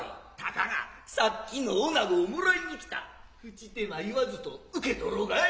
高がさつきの女子を貰いに来た口手間云わずと受け取らうかい。